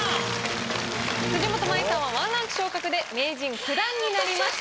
辻元舞さんは１ランク昇格で名人９段になりました。